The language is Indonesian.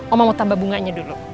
oma mau tambah bunganya dulu